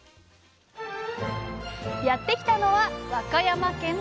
やって来たのは和歌山県串本町。